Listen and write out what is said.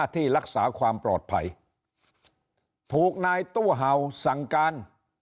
ที่รักษาความปลอดภัยถูกนายตู้เห่าสั่งการ